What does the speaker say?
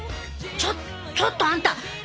ちょちょっとあんた！